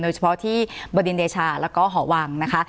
โดยเฉพาะที่บดินเดชาแล้วก็หอวังนะคะ